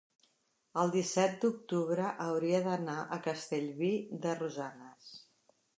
el disset d'octubre hauria d'anar a Castellví de Rosanes.